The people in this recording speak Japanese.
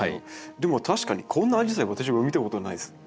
でも確かにこんなアジサイ私も見たことないです。